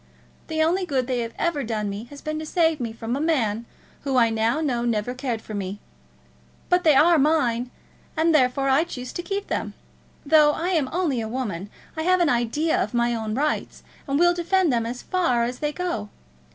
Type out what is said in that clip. The only good they have ever done me has been to save me from a man who I now know never cared for me. But they are mine; and therefore I choose to keep them. Though I am only a woman I have an idea of my own rights, and will defend them as far as they go.